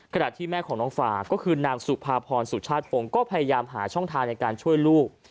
ขณะที่แม่ของน้องฟาก็คือนางสุภาพรสุชาติพงศ์ก็พยายามหาช่องทางในการช่วยลูก